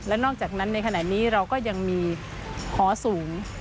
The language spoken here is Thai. นอกจากนั้นในขณะนี้เราก็ยังมีหอสูง